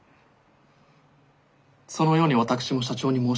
そのように私も社長に申し上げたのですが。